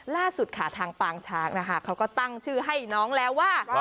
ล่าสุดค่ะทางปางช้างนะคะเขาก็ตั้งชื่อให้น้องแล้วว่า